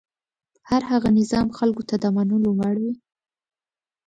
هر هغه نظام خلکو ته د منلو وړ وي.